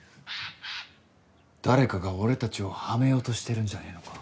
誰かが俺たちをはめようとしてるんじゃねえのか？